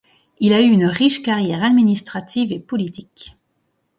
Il a eu une riche carrière administrative et politique.